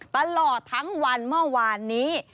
ตลอดทั้งวันเมื่อวานนี้